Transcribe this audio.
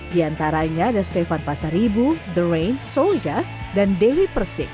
di antaranya ada stefan pasaribu the rain soulja dan dewi persik